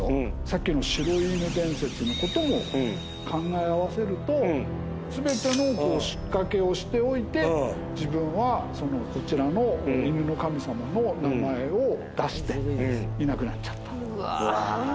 さっきの白い犬伝説の事も考え合わせると全ての仕掛けをしておいて自分はこちらの犬の神様の名前を出していなくなっちゃった。